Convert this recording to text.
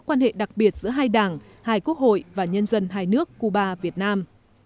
quan hệ đặc biệt giữa hai đảng hai quốc hội và nhân dân hai nước cuba việt nam